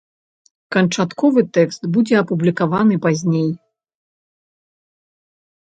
Канчатковы тэкст будзе апублікаваны пазней.